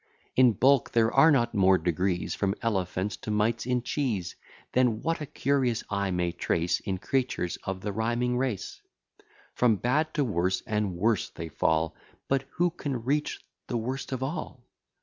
In bulk there are not more degrees From elephants to mites in cheese, Than what a curious eye may trace In creatures of the rhyming race. From bad to worse, and worse they fall; But who can reach the worst of all?